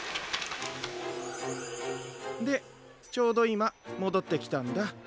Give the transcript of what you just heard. でちょうどいまもどってきたんだ。